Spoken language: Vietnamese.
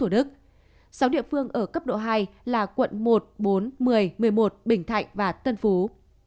sáu địa phương ở cấp độ hai là quận một bốn một mươi một mươi một bình thạnh và tân phú